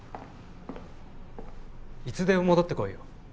いつでも戻ってこいよ。